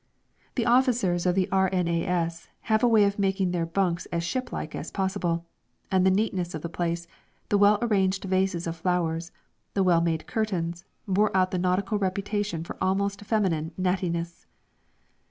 The officers of the R.N.A.S. have a way of making their bunks as shiplike as possible, and the neatness of the place, the well arranged vases of flowers, the well made curtains, bore out the nautical reputation for almost feminine "nattiness."